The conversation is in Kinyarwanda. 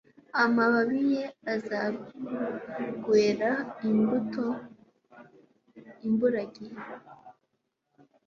amababi ye azagwengera imbura gihe